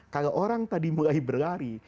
kalau orang tadi mulai berlari